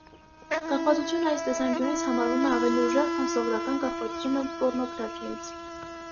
Կախվածությունը այս տեսանկյունից համարվում է ավելի ուժեղ, քան սովորական կախվածությունը պոռնոգրաֆիայից։